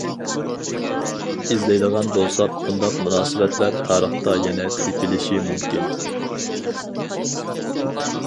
ئىزدەيدىغان بولساق بۇنداق مۇناسىۋەتلەر تارىختا يەنە تېپىلىشى مۇمكىن.